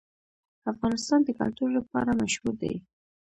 افغانستان د کلتور لپاره مشهور دی.